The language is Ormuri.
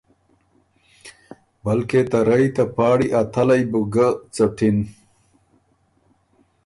بلکې ته رئ ته پاړی ا تلئ بُو ګۀ څَټِن۔